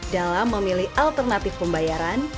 dalam memilih alternatif pembayaran